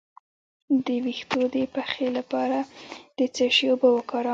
د ویښتو د پخې لپاره د څه شي اوبه وکاروم؟